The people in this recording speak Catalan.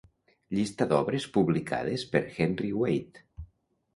Llista d'obres publicades per "Henry Wade".